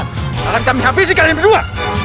malam kami habis kalian berdua